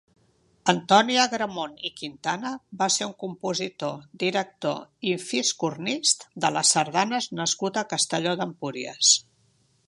Antoni Agramont i Quintana va ser un compositor, director i fiscornist de sardanes nascut a Castelló d'Empúries.